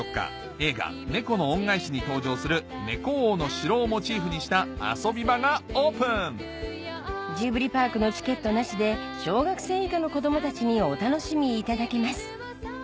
映画『猫の恩返し』に登場する猫王の城をモチーフにした遊び場がオープンジブリパークのチケットなしで小学生以下の子供たちにお楽しみいただけます